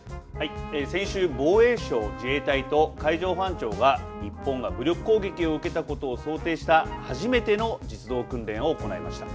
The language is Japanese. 先週、防衛省、自衛隊と海上保安庁が日本が武力攻撃を受けたことを想定した初めての実動訓練を行いました。